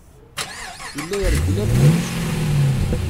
Yella ireggel abduz.